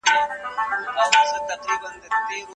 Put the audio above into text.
کمپله د هغې لخوا پر تخت باندې په پوره مینه ورسمه شوه.